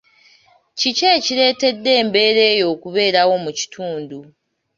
Kiki ekireetedde embeera eyo okubeerawo mu kitundu?